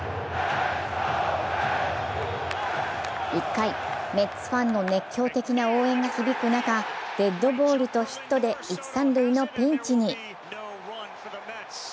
１回、メッツファンの熱狂的な応援が響く中、デッドボールとヒットで一・三塁のピンチに。